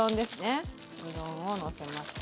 うどんをのせます。